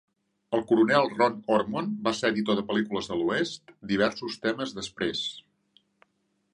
El coronel Ron Ormond va ser editor de pel·lícules de l'oest diversos temes després.